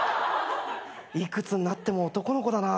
幾つになっても男の子だな。